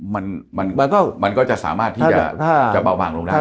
มันมันก็จะสามารถที่จะเบาบางลงได้